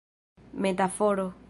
metaforo